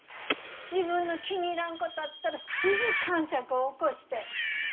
自分の気に入らんことあったらすぐかんしゃく起こして。